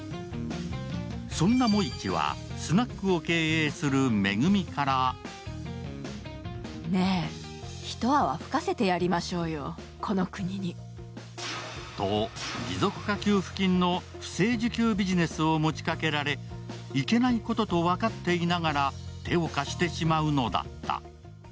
そんな茂一はスナックを経営する恵からと、持続化給付金の不正受給ビジネスを持ちかけられいけないことと分かっていながら手をかしてしまうのだった。